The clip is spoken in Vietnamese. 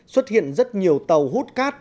xuất hiện rất nhiều tàu hút cát